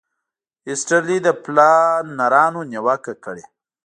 ایسټرلي د پلانرانو نیوکه کړې.